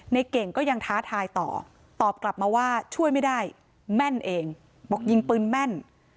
เก่งก็ยังท้าทายต่อตอบกลับมาว่าช่วยไม่ได้แม่นเองบอกยิงปืนแม่น